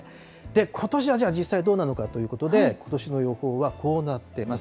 ことしはじゃあ、実際どうなのかということで、ことしの予報はこうなっています。